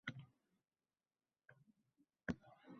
Ammo yo`q odamni qidirishdan ham ma`ni yo`q-da